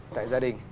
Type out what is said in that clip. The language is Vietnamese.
tại gia đình